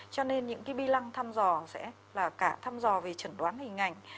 cho nên những cái bi lăng thăm dò sẽ là cả thăm dò về chẩn đoán hình ảnh